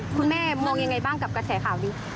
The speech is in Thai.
คุณแม่มองยังไงบ้างกับกระแสข่าวนี้